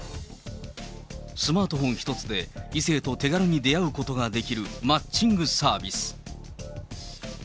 スマートフォン一つで、異性と手軽に出会うことができるマッチングサービス。